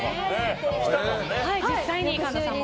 実際に神田さんも。